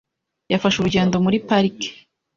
Yafashe urugendo muri parike .